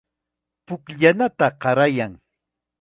Pukllanata qarayan.